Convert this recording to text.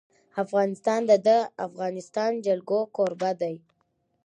افغانستان د د افغانستان جلکو کوربه دی.